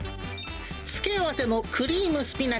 付け合わせのクリームスピナ